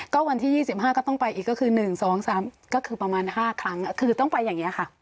ก็ต้องไปอีกก็คือ๑๒๓ก็คือคือประมาณ๕ครั้งคือต้องไปอย่างนี้ค่ะ